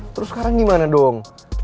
terus sekarang gimana dong